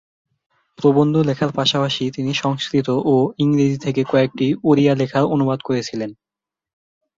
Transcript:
প্রবন্ধ লেখার পাশাপাশি তিনি সংস্কৃত ও ইংরেজি থেকে কয়েকটি ওড়িয়া লেখার অনুবাদ করেছিলেন।